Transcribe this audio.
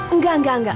enggak enggak enggak